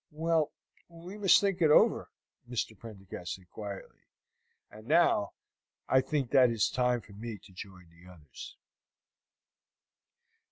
"Well, we must think it over," Mr. Prendergast said quietly. "And now I think that it is time for me to join the others."